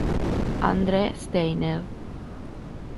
André Steiner